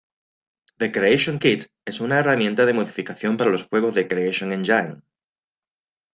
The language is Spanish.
The Creation Kit es una herramienta de modificación para los juegos de Creation Engine.